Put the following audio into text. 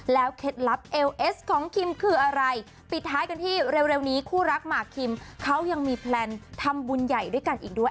เคล็ดลับเอลเอสของคิมคืออะไรปิดท้ายกันที่เร็วนี้คู่รักหมากคิมเขายังมีแพลนทำบุญใหญ่ด้วยกันอีกด้วย